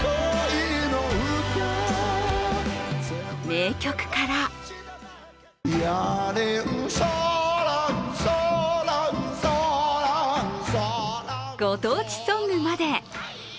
名曲からご当地ソングまで。